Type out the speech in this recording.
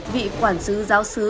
vị quản sứ giáo sứ